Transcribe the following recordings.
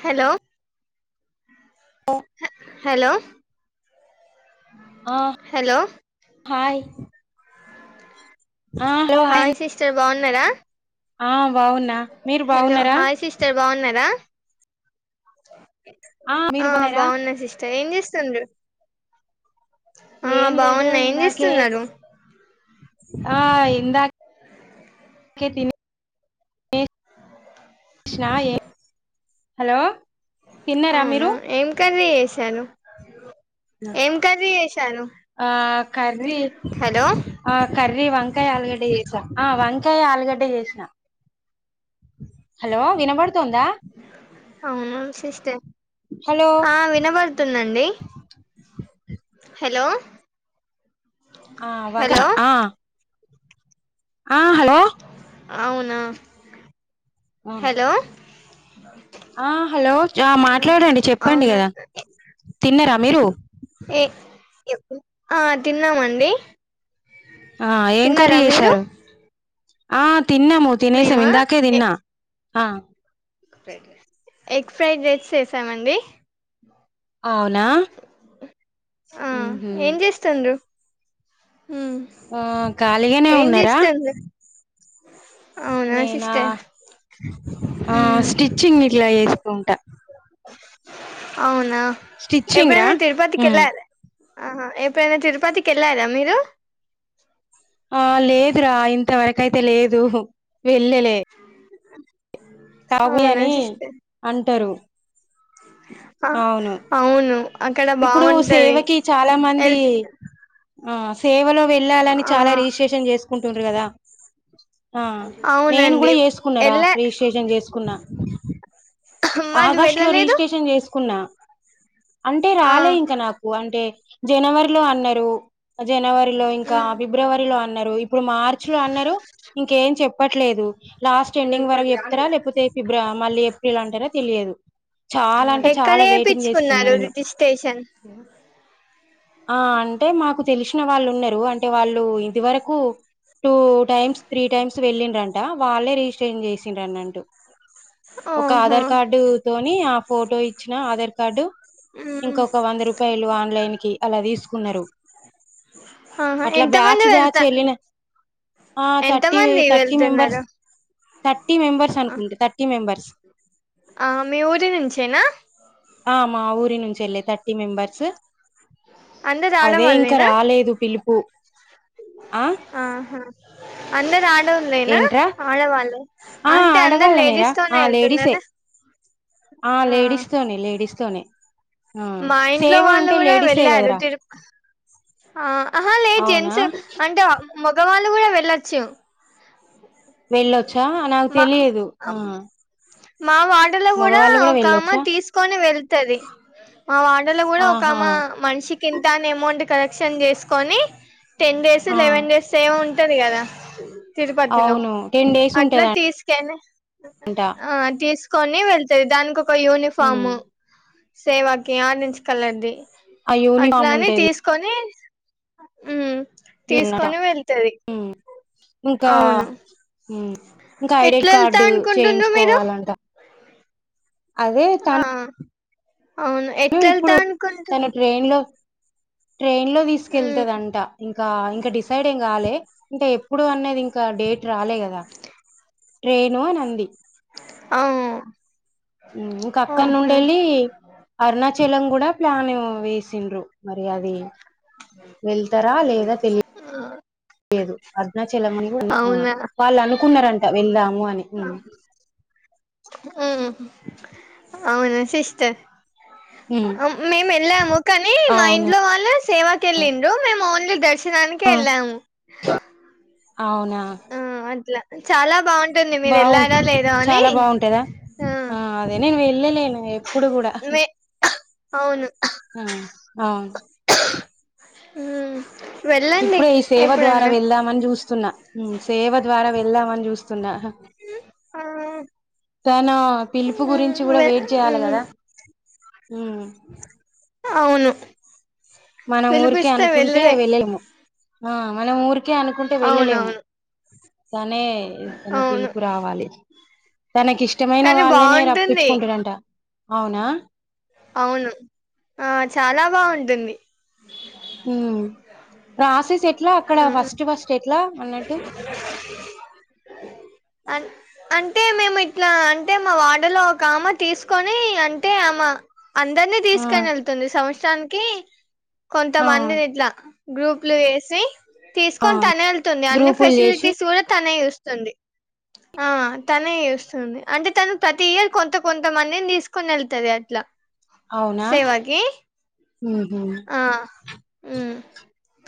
Hello హ hello ఆ hello hi ఆ హలో హాయ్ అం బాగున్నారా ఆ బాగున్నా మీరు హలో బాగున్నారా హాయ్ సిస్టర్ బాగున్నారా ఆ మీరు బాగున్నారా బాగున్నా సిస్ ఏం చేస్తుండ్రు ఆ ఏం లేదు బాగున్నా ఏం ఇందాకే చేస్తున్నారు ఆ ఇందకే తిని కృష్ణ ఏ హలో తిన్నారా అవునా మీరు ఏం కర్రీ చేశారు ఏం కర్రీ చేశా ఆ కర్రీ హలో ఆ కర్రీ వంకాయ ఆలుగడ్డ చేశా ఆ వంకాయ్ ఆలుగడ్డ చేసిన హలో వినబడు అవును సిస్టర్ హలో ఆ వినబడుతుందండి హలో ఆ వంకన హలో ఆ ఆ హలో అవునా హలో ఆ హలో ఆ మాట్లాడండి చెప్పండి అవునా కదా తిన్నారా మీరు ఏ ఆ తిన్నామండి ఆ ఏం తిన్నారా కర్రీ మీరు చేశారు ఆ తిన్నాము తినేసాము మేమా ఇందాకే తిన్నా అ ఎగ్ ఎగ్ ఫ్రైడ్ రైస్ చేసాము అండి అవునా ఆ ఉహు ఏం చేస్తుండు ఆ ఖాళీ గనే ఏం ఉన్నారా చేస్తుండ్రు అవునా నేనా సిస్టర్ ఆ మ్మ్ స్టిచింగ్ ఇట్ల చేసుకుంటా అవునా స్టిచ్చింగ్ రా ఎప్పుడైనా తిరుపతికి ఉమ్ కెళ్లారా? ఆహా ఎప్పుడైనా తిరుపతికి కెళ్ళరా మీరు? ఆ లేదు రా ఇంతవరకయితే ఉహు లేదు వెళ్ళలే కారాబు అవునా అని అంటరు [inaudible] అ అవును అక్కడ ఇప్పుడు బాగుంటది సేవకి చాలా మందీ ఎల్ ఆ సేవలో వెళ్ళాలని ఆ చాలా రిజిస్ట్రేషన్ చేసుకుంటుండ్రు కదా ఆ నేను అవునండి కూడా చేసుకున్నారా ఎళ్ళ రిజిస్ట్రేషన్ చేసుకున్నా మరి ఆగస్టు లో వెళ్ళలేదు రిజిస్ట్రేషన్ చేస్ కున్నా అంటే ఆ రాలే ఇంకా నాకు అంటే జనవరిలో అన్నరు జనవరిలో ఇంకా మ్మ్ ఫిబ్రవరిలో అన్నరు ఇప్పుడు మార్చ్ లో అన్నారు ఇంక్ ఇంకేం చెప్పట్లేదు లాస్ట్ ఎండింగ్ వరకు చెప్తారా లేపోతే ఫిబ్ర మళ్ళీ ఏప్రిల్ అంటారా తెలియదు చాలా అంటే ఎక్కడ చాలా వెయిటింగ్ చేస్తున్నా ఏపిచ్చుకున్నారు నేను రిజిస్ట్రేషన్ ఆ అంటే మాకు తెలిసిన వాళ్ళు ఉన్నరు అంటే వాళ్ళు ఇదివరకు టూ టైమ్స్, త్రీ టైమ్స్ వెళ్ళిండ్రంట వాళ్ళే రిజిస్ట్రేషన్ చేసిండ్ర్ అన్నట్టు స్ ఒక ఆహా ఆధార్ కార్డు తోని ఆ ఫోటో ఇచ్చిన ఆధార్ కార్డు మ్మ్ ఇంకొక వంద రూపాయలు ఆన్లైన్ కి అలా తీసుకున్నరు ఆహా అట్లా ఎంత మంది బ్యాచ్ బ్యాచ్ వెళ్తా వెళ్ళిన ఆ ఎంత థర్టీ మంది థర్టీ మెంబర్స్, వెళ్తున్నారు థర్టీ మెంబెర్స్ అనుకుంటే థర్టీ మెంబెర్స్ ఆ మీ ఊరి నుంచేనా? ఆ మా ఊరి నుంచెల్లె థర్టీ మెంబర్స్ అందరు అదే ఇంక ఆడవాళ్ళేనా రాలేదు పిలుపు ఆ ఆహా అందరు అడోల్లెనా ఏంట్రా ఆడవాళ్ళు ఆ అంటె అందరు ఆడవాళ్ళ మీరా లేడీస్ ఆ తోనే లేడీసే ఎళ్తున్నరా? ఆ లేడీస్ తోనే లేడీస్ తోనే ఆ మా ఇంట్లో సేవ వాళ్ళు అంటే కూడా లేడీసే వెళ్ళారు కదరా తిరుప్ ఆ అహా లేదు అవునా జెంట్స్ అంటే మగవాళ్ళు కూడా వెళ్ళొచ్చు వెళ్ళొచ్చా ఆ నాకు మా తెలిదు ఆ మా వాడలో కూడా మగవాళ్ళు ఒక అమ్మ వెళ్ళొచ్చా తీసుకొని వెళ్తది. మా వాడలో కూడా ఆహా ఒకమ్మా మనిషికి ఇంతా అని అమౌంట్ కలెక్షన్ చేసుకొని టెన్ డేస్, ఆ లెవెన్ డేస్ ఏమో ఉంటది కదా తిరుపతిలో అవును టెన్ డేస్ అట్లా ఉంటదంట తీసుకెళ్ళే ఆ తీసుకొని వెళ్తు దానికి ఒక యూనిఫాము సేవాకి ఆరెంజ్ కలర్ది ఆ అట్లా యూనిఫామ్ అని ఉంటది తీసుకొని ఉమ్ తీసుకొని వెళ్తది అవును ఇంకాఉమ్ ఇంకా ఐడి ఎట్లా వెళ్తా కార్డు అనుకుంటుండ్రు మీరు చేయించుకోవాలంట అదే ఆ తను అవును ఎట్ల ఎళ్తా ఇప్పుడు అనుకుంటు తను ట్రైన్ లో ట్రైన్ లో తీసుకెళ్తుదంట ఇంకా ఇంక డిసైడ్ ఏం కాలె ఇంకా ఎప్పుడు అన్నది ఇంకా డేట్ రాలే కదా ట్రేను అని అంది అవ్ ఉమ్ ఇంక అక్కడ నుండెళ్ళి అరుణాచలం కూడా ప్లాను వేసిండ్రు మరి అది ఆ లేదు అరుణాచలం అవునా వాళ్ళు అను [unintelligible] కున్నారంట వెళ్దాము అని ఉమ్ అవును సిస్టర్ ఉమ్ మేము వెళ్ళాము కానీ మా అవును ఇంట్లో వాళ్ళే సేవాకి వెళ్ళండ్రు మేము ఓన్లీ శనానికి ఆ ఎల్లాము అవునా చాలా బాగుంటుంది మీరు బాగువు వెళ్ళారా లేదో అని చాలా బాగుంటాదా ఆ అదే నేను వెళ్ళలేను ఎప్పుడు కూడా మే అవును అ అవును ఉ ఇప్పుడే ఈ సేవ ద్వారా వెళ్దామని చూస్తున్నా సేవ ద్వారా వెళ్దామని చూస్తున తున్నా ఆ తనా పిలుపు గురించి కూడా వె వెయిట్ చేయాలి కదా అవును మన ఊరికే పిలిపిస్తే అనుకుంటే వెళ్ళుడే వెళ్ళము మన ఊరిక కే అనుకుంటే వెళ్ళలేము అవునవును కానే ఏన్న అవును పిలుపు రావాలి తనకిష్టమైన కానీ వాళ్ళనే బాగుంటుంది రప్పించుకుంటుడంట అవునా అవును ఆ చాలా బాగుంటుంది ఈ ప్రాసెస్ ఎట్లా అక్కడ ఫస్ట్ ఫస్ట్ ఎట్లా అన్నట్టు అ అంటే మేము ఇట్లా అంటే మా వాడలో ఒక ఆమె తీసుకొని అంటే ఆమ అందరినీ ఆ తీసుకని వెళ్తుంది సంవత్సరానికి ఆ కొంతమందిని ఇట్లా గ్రూప్లు వేసి ఆ తీసుకొని తనే వెళ్తుంది అన్ని గ్రూపులు చేసి ఫెసిలిటీస్ కూడా తనే చూస్తుంది ఆ తనే చూస్తుంది అంటే తను ప్రతి ఇయర్ కొంత కొంతమందిని తీసుకుొని వెళ్తుంది అట్లా సేవా కీ ఉమ్ ఉ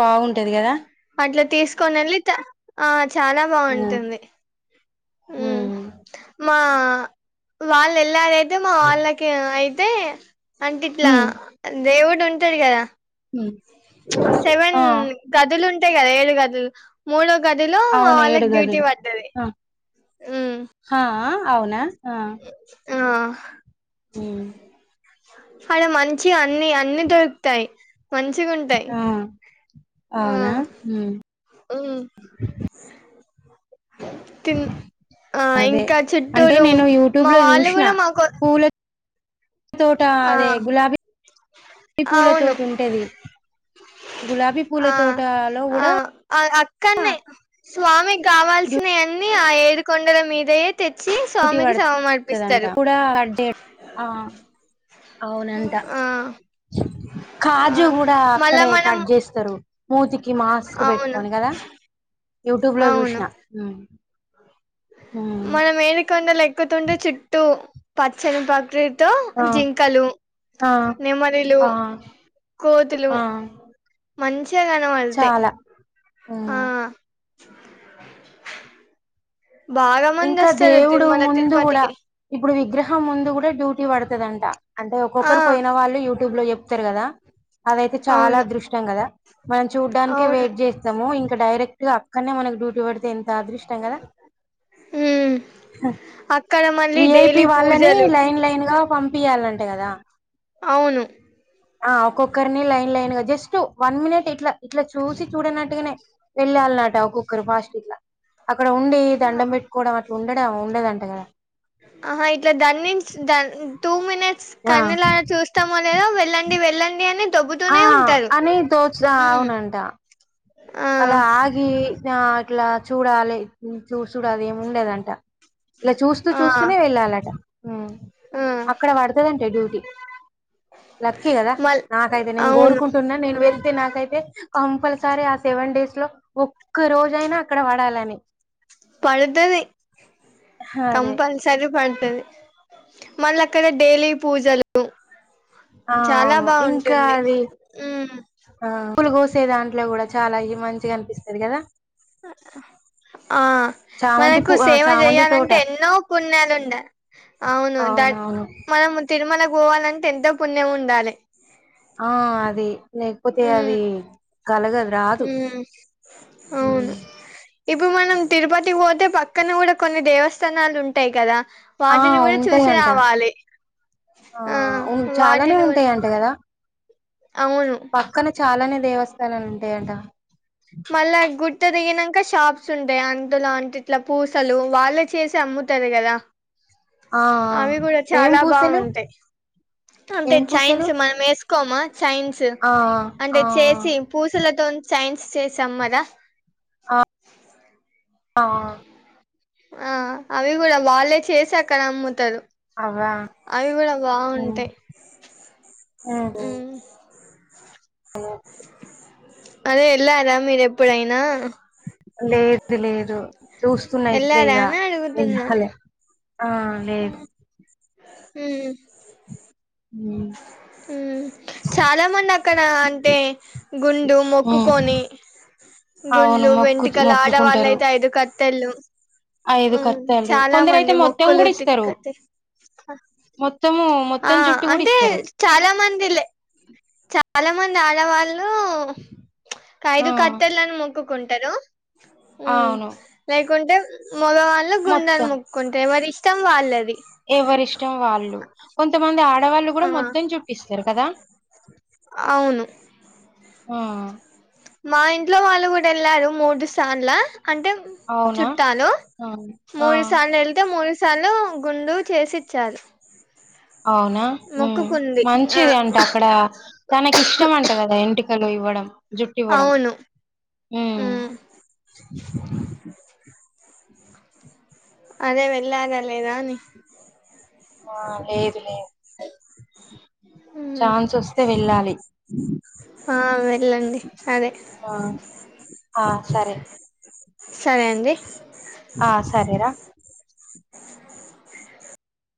బాగుంటది కదా అట్లా తీసుకొని వెళ్ళి ఆ చాలా ఆ బాగుంటుంది ఉమ్ మా వాళ్ళు వెళ్ళారైతే మా వాళ్ళకి అయి తే అంటే ఇట్లా ఉమ్ దేవుడు ఉంటాడు కదా ఉమ్ సెవెన్ ఆ గదులు ఉంటాయి కదా ఏడు గదులు మూడో గదిలో మా అవును ఏడు వాళ్ళకి డ్యూటీ గదులు పడ్దది ఆ హా అవునా ఆ ఆ ఉ అడ మంచిగ అన్ని అన్నిీ దొరుకుతాయి మంచిగా ఉంటాయి ఆ ఆ అవునా ఉహ్మ్ మ్మ్ తిన్ అదే ఇంకా అంటే చుట్టూరు నేను యూట్యూబ్ మా లో వాళ్ళు చూసిన కూడా మాకో పూల తోట అదే గులాబీ గుబీ అవును పూలతోట ఉంటది గులాబీ పూల ఆ తోటలో ఆ కూడా అఅక్కన్నే స్వామి కావాల్సినవివన్నీ ఆ ఏదికొండల మీదే డ్యూటీ పడు తందంట కూడా క చే అవునంట ఆ ఆ కాజు కూడా మళ్ళా అక్కడే మనం కట్ చేస్తారు మూతికి మాస్క్ అవును పెట్టుకని కదా యూట్యూబ్ లో చూశ్న మన మేలికొండలు ఎక్కుతుంటే చుట్టూ పచ్చని ప్రకృ తో ఆ జింకలు ఆ నెమలిలు ఆ కోతులు ఆ మంచిగా గనవాడతయ్ చాలా ఆ ఉమ్ బాగా మంది ఇంకా వస్తారు దేవుడు తిరుమల ముందు కూడా తిరుపతికి ఇప్పుడు విగ్రహం ముందు కూడా డ్యూ పడుతుదంట అంటే ఆ ఒక్కొక్కరు పోయిన వాళ్ళు యూట్యూబ్ లో చెప్తారు కదా అదయితే చాలా అవును అదృష్టం కదా మనం చూడ్డాానికే అవును వెయిట్ చేస్తాము ఇం ఇంక డైరెక్ట్ గా అక్కడనే మనకు డ్యూటీ పడితే ఎంత అదృష్టం కదా ఉమ్ హా అక్కడ మళ్ళీ డైలీ విఐపి వాళ్ళని పూజలు లైన్ లైన్ గా. పంపియాలంటా గాదా. అవును. ఆ ఒక్కొక్కరిని లైన్ లైన్ గా జస్ట్ వన్ మినిట్ ఇట్లా ఇట్లా చూసి చూడనట్టుగానే. వెళ్ళాల్నాట ఒకొక్కరు ఫస్ట్ ఇట్లా అక్ అక్కడ ఉండి దండం పెట్టుకోవడం అట్లా ఉండడా ఉండదంట కదా. ఆహా ఇట్లా దనిన్స్ దన్ లెట్స్ ఆ కన్నులా చూస్తామో లేదో వెళ్ళండి వెళ్ళండి అని. ఆ దొబ్బుతూనే ఉంటారు అని తోచ్రా ఉమ్ అవునంట. ఆ అలా ఆగి నా అట్లా చూడాలే హు చూసుడు అదేము లేదంటా. ఇలా చూస్తూ ఆ చూస్తూనే వెళ్ళాలట. ఆ అక్కడ వడ్తాదంట డ్యూటీ. లక్కీ గాదా. మల్ నాకైతే నీన్ అవును గోరుకుంటున్నా, నీన్ వెళ్తే నాకైతే కంపల్సరే. ఆస్ సన్ డేస్ లో ఒక్క రోజైన అక్కడ పడాలని. పడ్తది అదే కంపల్సరీ పడ్తది. మళ్ళా అక్కడ డైలీ పూజలు. ఆ చాలా అవును ఇంకా బాగుంటుంది అది మ్మ్ ఆ పలుగోసేదాన్. ఇట్లా కూడా చాలా ఈ మంచిగా అనిపిస్తది కదా ఆ చామంతి మనకు పూ ఆ సేవ చామంతి తోట చేయాలంటే ఎన్నో పుణ్యాలు ఉండా. అవును ద అవునవును మనం తిరుమలక్ పోవాలంటే ఎంతో పుణ్యం ఉండాలి. ఆ అది లేకపోతే ఉమ్ అది. కలగాద్ రాదు. ఉమ్ హు అవును ఇప్పుడు మనం తిరుపతి పోతే పక్కన కూడా కొన్ని దేవస్థానాలు ఉంటాయి కదా. ఆ వాటిని కూడా చూసి ఉంటాయంట రావాలి. ఆ ఉన్ చాలానే వాటిని కూడా ఉంటాయ్ అంట కదా. అవును పక్కనే చాలానే దేవస్థానాలు ఉంటాయంటా మళ్ళా గుట్టదిగినాక్ ఇకా షాప్స్ ఉంటాయ్. అందులో అంటిట్లా పూసలు వాళ్ళ చేసి అమ్ముతారు కదా. ఆ ఆ అవి కూడా ఏం చాలా పూసలు బావుంటాయ్. అంటే ఏం పూసలు చైన్స్ మనం వేసుకోమా చైన్స్ ఆ అంటే ఆ చేసి పూసలతోన్ చైన్స్ సేసామ్ మాదా ఆహ్ ఆ ఆ అవి కూడా వాళ్ళే చేసి అక్కడ అమ్ముతరు. అవ్వా అవి కూడా మ్మ్ బావుంటే మ్మ్ హుహ్ అదే ఏళ్ళారా మీరు ఎప్పుడైనా లేదు లేదు చూస్తున్నా ఇప్పుడే వెళ్ళారా ఇగ అని అడుగుతున్నాను వెళ్ళాలి ఆఅ లేదు హు ఊ చాలా మంది అక్కడ అంటే గుండు హ్మ్ మొక్కుకొని అవును గుండ్లు మొక్కు వెంటుకలు, ఆడవాళ్ళు మొక్కుకుంటారు అయితే ఐదు కతేళ్ళు. ఐదు ఉహ్ కత్తెలు చాలా కొందరైతే మంది మొత్తం మొక్కలు కూడా ఇస్తారు తిక్కతే మొత్తము హా మొత్తం ఆ జుట్టు కూడా అంటే ఇస్తారు చాలా మందిలే చాలా మంది ఆడవాళ్ళు ఆ కైదు కతేర్లు మొక్కుక్ హు అవును లేకుంటేమ్ మగవాళ్ళు గుండని మొత్తం మొక్కుంటే ఎవరి ఇష్టం వాళ్ళది. ఎవరిష్టం వాళ్ళు, కొంతమంది ఆడవాళ్ళు కూడా ఆ మొత్తం చూపిస్తరు కదా. అవును వా మా ఇంట్లో వాళ్ళు కూడా ఏళ్ళారు మూడు సార్ల. అంటే అవునా చుట్టాలు ఆ ఆ మూడు సార్లు ఏళ్ళతే మూడుస్ సలు గుండు చేసిచ్చారు అవునా ఆ హుమ్ మొక్కుకుంది ఆ మంచిది అంట అక్కడ తనకి ఇష్టం అంట కదా ఏంటి ఇంటికలు ఇవ్వడం జుట్ ఇవ్వడం అవును ఉమ్ హ్మ్ అదే వెళ్ళారా లేదాని ఆ లేదు లేదు హ్మ్ ఛాన్స్ వస్తే వెళ్ళాలి. ఆ వెళ్ళండి అదే ఆహ్ ఆహ్ సరే సరే అండి ఆ సరేరా